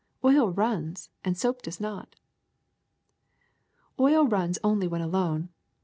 Oil runs, and soap does not." ^'Oil runs only when alone.